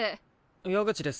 矢口です。